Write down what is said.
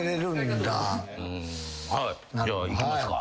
じゃあいきますか。